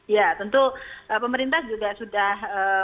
ya tentu pemerintah juga sudah